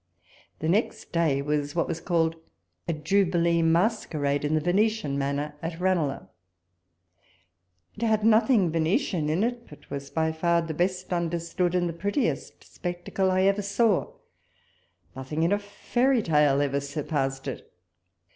The next day was wliat was called " a jubilee masquerade in the Venetian manner " at Ranelagh : it had nothing Venetian in it, but was by far the best understood and the prettiest spectacle I ever saw : nothing in a fairy tale ever surpassed it.